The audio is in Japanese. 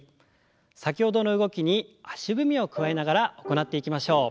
先ほどの動きに足踏みを加えながら行っていきましょう。